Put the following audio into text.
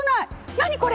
何これ！